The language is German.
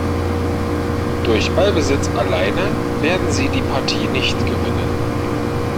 Durch Ballbesitz alleine werden sie die Partie nicht gewinnen.